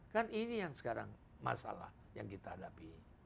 kan ini yang sekarang masalah yang kita hadapi